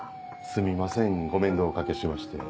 すみませんご面倒お掛けしまして。